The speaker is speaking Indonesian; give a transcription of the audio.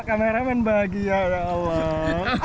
kameramen bahagia ya allah